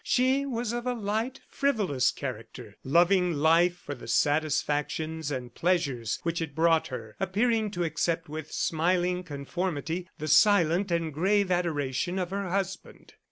She was of a light, frivolous character, loving life for the satisfactions and pleasures which it brought her, appearing to accept with smiling conformity the silent and grave adoration of her husband.